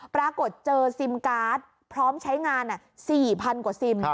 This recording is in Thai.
ปรากฏเจอซิมการ์ดพร้อมใช้งาน๔๐๐กว่าซิม